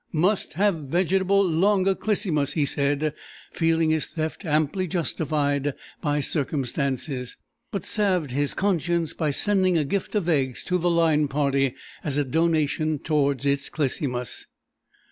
"Must have vegetable longa Clisymus," he said, feeling his theft amply justified by circumstances, but salved his conscience by sending a gift of eggs to the Line Party as a donation towards its "Clisymus."